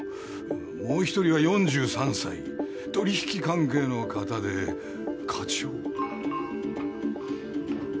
もう１人は４３歳取り引き関係の方で課長。